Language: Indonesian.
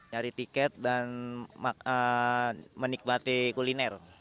nyari tiket dan menikmati kuliner